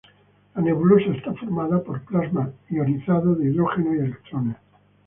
La nebulosa está formada por plasma ionizado de hidrógeno y electrones.